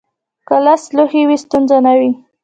که لس لوحې وي، ستونزه نه وي.